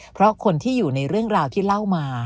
เพราะคนที่อยู่ในเรื่องราวที่เล่ามา